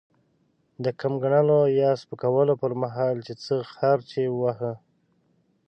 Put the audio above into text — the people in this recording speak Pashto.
د کم ګڼلو يا سپکولو پر مهال؛ چې څه خرج يې وواهه.